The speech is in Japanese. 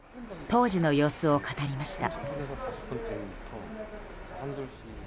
当時の様子を語りました。